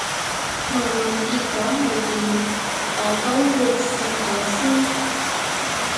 無論結果係點，我都會試咗先